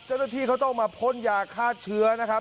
เจ้าหน้าที่เขาต้องมาพ่นยาฆ่าเชื้อนะครับ